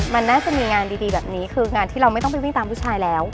มันน่าจะมีงานดีแบบนี้คืองานที่เราไม่ต้องไปวิ่งตามผู้ชายแล้ว